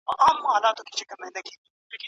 پر کوثرونو به سردار نبي پیالې ورکوي